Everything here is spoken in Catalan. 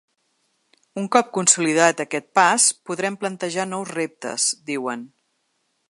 Un cop consolidat aquest pas podrem plantejar nous reptes, diuen.